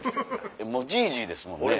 もうじいじいですもんね。